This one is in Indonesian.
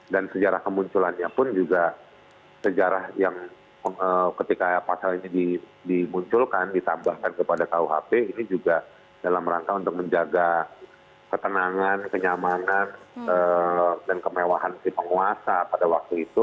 dan sejarah kemunculannya pun juga sejarah yang ketika pasal ini dimunculkan ditambahkan kepada kuhp ini juga dalam rangka untuk menjaga ketenangan kenyamanan dan kemewahan si penguasa pada waktu itu